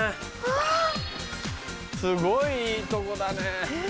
すごいいいとこだね。